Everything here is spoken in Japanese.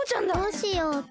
どうしよう。